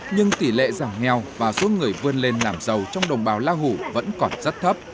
nhưng tỷ lệ giảm nghèo và số người vươn lên làm giàu trong đồng bào la hủ vẫn còn rất thấp